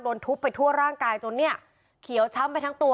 ทุบไปทั่วร่างกายจนเนี่ยเขียวช้ำไปทั้งตัว